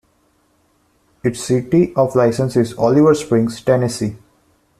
Its city of license is Oliver Springs, Tennessee.